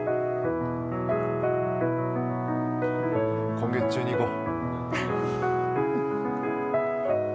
今月中に行こう。